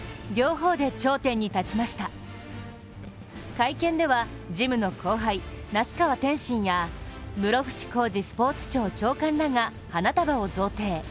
会見ではジムの後輩・那須川天心や室伏広治スポーツ庁長官らが花束を贈呈。